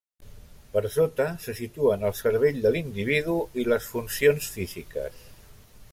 Per sota se situen el cervell de l’individu i les funcions físiques.